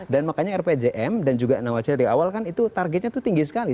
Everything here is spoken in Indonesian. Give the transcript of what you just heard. dan makanya rpjm dan juga nawal cire di awal kan itu targetnya itu tinggi sekali